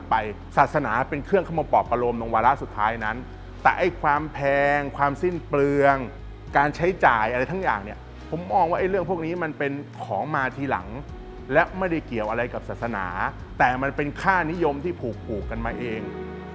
ไปศาสนาเป็นเครื่องขโมปอบอารมณ์วาระสุดท้ายนั้นแต่ไอ้ความแพงความสิ้นเปลืองการใช้จ่ายอะไรทั้งอย่างเนี่ยผมมองว่าไอ้เรื่องพวกนี้มันเป็นของมาทีหลังและไม่ได้เกี่ยวอะไรกับศาสนาแต่มันเป็นค่านิยมที่ผูกผูกกันมาเอง